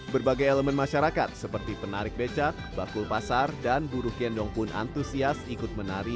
berbagai elemen masyarakat seperti penarik becak bakul pasar dan buruh kendong pun antusias ikut menari